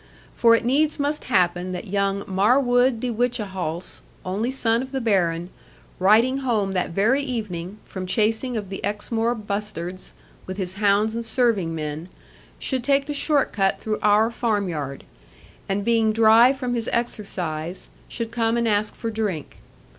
For it needs must happen that young Marwood de Whichehalse, only son of the Baron, riding home that very evening, from chasing of the Exmoor bustards, with his hounds and serving men, should take the short cut through our farmyard, and being dry from his exercise, should come and ask for drink.